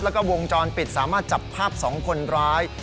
แล้วก็วงจรปิดสามารถจับภาพ๒คนร้าย